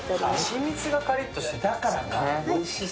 蜂蜜がカリッとして、だからか。